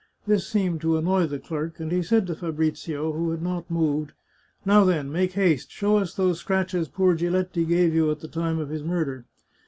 This seemed to annoy the clerk, and he said to Fabrizio, who had not moved :" Now then, make haste. Show us those scratches poor Giletti gave you at the time of his murder."